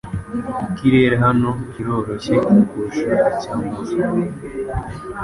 Ikirere hano kiroroshye kurusha icya Moscou.